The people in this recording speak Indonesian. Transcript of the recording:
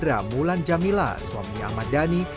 gerindra mulan jamila suaminya ahmad dhani